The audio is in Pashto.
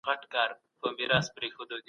زه ستاسو په خدمت کي یم.